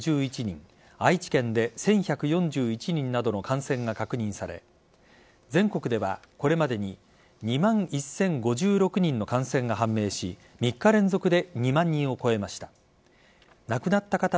愛知県で１１４１人などの感染が確認され全国ではこれまでに２万１０５６人の感染が判明し３日連続で２万人を超えました。